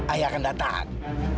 ayah akan datang